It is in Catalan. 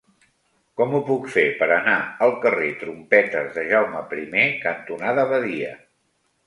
Com ho puc fer per anar al carrer Trompetes de Jaume I cantonada Badia?